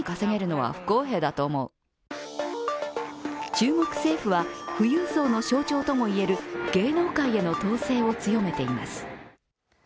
中国政府は富裕層の象徴ともいえる芸能界への統制を強めています。